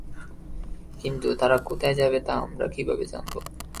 কিন্তু তারা কোথায় যাবে তা আমরা কীভাবে জানব?